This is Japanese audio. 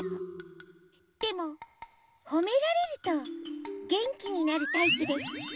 でもほめられるとげんきになるタイプです。